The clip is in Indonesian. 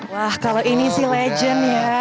wah kalau ini sih legend ya